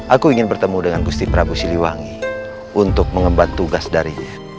aku ingin bertemu dengan gusti prabu siliwangi untuk mengemban tugas darinya